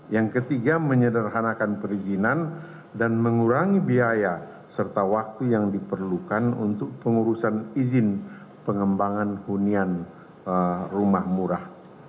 yang ketiga menyederhanakan perizinan dan mengurangi biaya serta waktu yang diperlukan untuk pengurusan izin pengembangan hunian rumah murah